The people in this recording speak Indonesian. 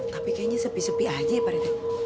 tapi kayaknya sepi sepi aja ya pak rida